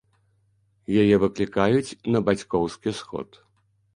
Яе выклікаюць на бацькоўскі сход.